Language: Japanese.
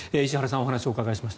お話をお伺いしました。